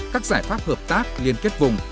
các giải pháp hợp tác liên kết vùng